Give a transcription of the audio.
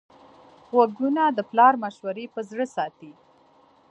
غوږونه د پلار مشورې په زړه ساتي